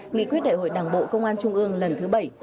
nghị quyết đại hội đảng bộ công an trung ương lần thứ bảy